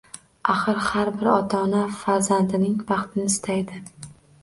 Axir, har bir ota-ona farzandining baxtini istaydi